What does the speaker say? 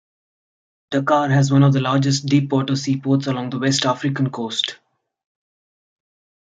Dakar has one of the largest deep-water seaports along the West African coast.